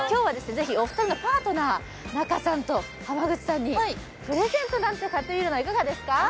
ぜひお二人のパートナー仲さんと濱口さんにプレゼントなんて買ってみるのはいかがですか？